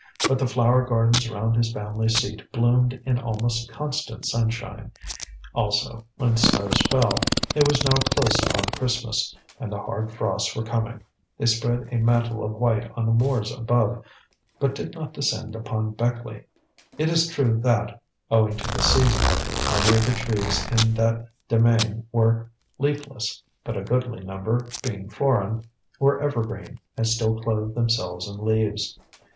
But the flower gardens round his family seat bloomed in almost constant sunshine. Also, when snows fell it was now close upon Christmas, and the hard frosts were coming they spread a mantle of white on the moors above, but did not descend upon Beckleigh. It is true that, owing to the season, many of the trees in the demesne were leafless, but a goodly number, being foreign, were evergreen, and still clothed themselves in leaves.